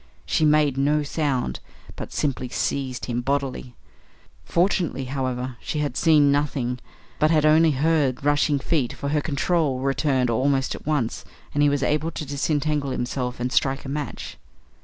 She made no sound, but simply seized him bodily. Fortunately, however, she had seen nothing, but had only heard the rushing feet, for her control returned almost at once, and he was able to disentangle himself and strike a match.